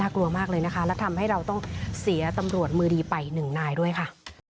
กลัวมากเลยนะคะและทำให้เราต้องเสียตำรวจมือดีไปหนึ่งนายด้วยค่ะ